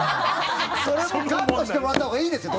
それもカットしてもらったほうがいいですよ